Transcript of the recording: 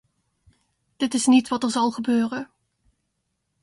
Dit is niet wat er zal gebeuren.